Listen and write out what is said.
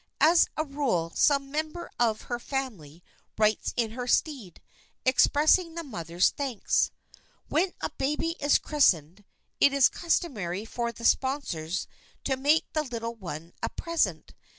As a rule some member of her family writes in her stead, expressing the mother's thanks. When a baby is christened, it is customary for the sponsors to make the little one a present.